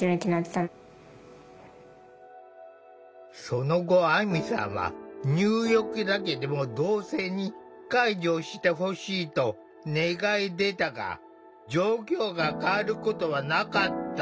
その後あみさんは「入浴だけでも同性に介助してほしい」と願い出たが状況が変わることはなかった。